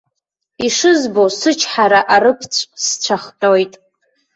Ишызбо сычҳара арыԥҵә сцәахҟьоит.